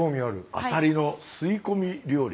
アサリの吸い込み料理？